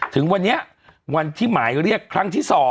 ถึงวันนี้วันที่หมายเรียกครั้งที่๒